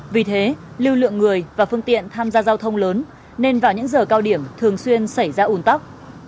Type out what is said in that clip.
vì thế lưu lượng người và phương tiện tham gia giao thông lớn nên vào những giờ cao điểm thường xuyên xảy ra ủn tắc